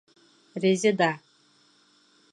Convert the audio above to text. Резеда!